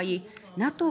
ＮＡＴＯ